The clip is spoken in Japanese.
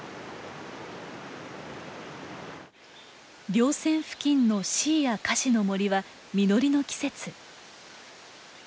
稜線付近のシイやカシの森は実りの季節。